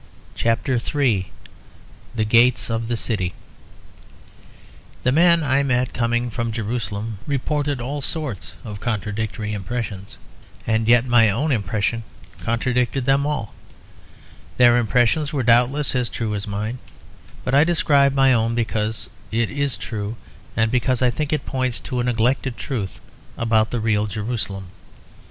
CHAPTER III THE GATES OF THE CITY The men I met coming from Jerusalem reported all sorts of contradictory impressions; and yet my own impression contradicted them all. Their impressions were doubtless as true as mine; but I describe my own because it is true, and because I think it points to a neglected truth about the real Jerusalem.